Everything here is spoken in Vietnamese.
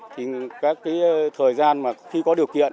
thì các cái thời gian mà khi có điều kiện